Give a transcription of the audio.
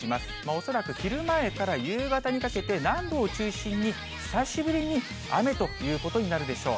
恐らく昼前から夕方にかけて、南部を中心に、久しぶりに雨ということになるでしょう。